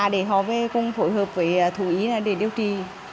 để họ cùng phối hợp với thủy ý để điều trị